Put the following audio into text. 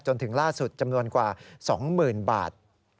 จนถึงล่าสุดจำนวนกว่า๒๐๐๐บาท